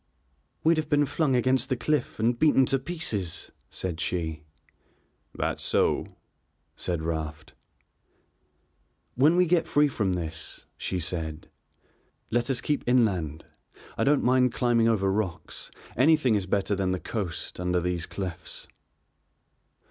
"We'd have been flung against the cliff and beaten to pieces," said she. "That's so," said Raft. "When we get free from this," she said, "let us keep inland. I don't mind climbing over rocks, anything is better than the coast, under these cliffs."